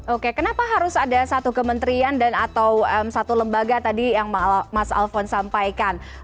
oke kenapa harus ada satu kementerian dan atau satu lembaga tadi yang mas alfon sampaikan